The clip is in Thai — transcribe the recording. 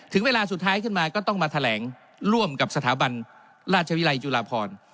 เวลาสุดท้ายขึ้นมาก็ต้องมาแถลงร่วมกับสถาบันราชวิรัยจุฬาพร